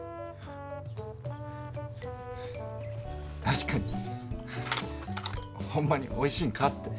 確かにほんまにおいしいんかって。